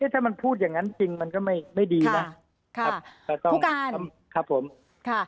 ถ้ามันพูดอย่างนั้นจริงมันก็ไม่ดีนะ